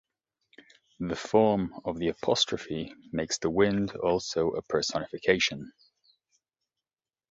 The form of the apostrophe makes the wind also a personification.